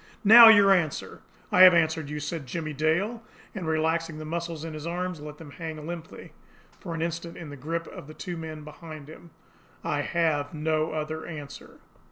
Now your answer!" "I have answered you," said Jimmie Dale and, relaxing the muscles in his arms, let them hang limply for an instant in the grip of the two men behind him. "I have no other answer."